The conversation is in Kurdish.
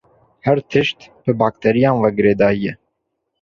Her tişt bi bakteriyan ve girêdayî ye.